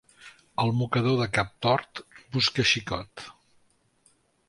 El mocador de cap tort, busca xicot.